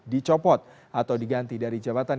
dicopot atau diganti dari jabatan